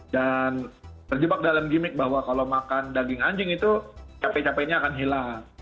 dan terjebak dalam gimmick bahwa kalau makan daging anjing itu capek capeknya akan hilang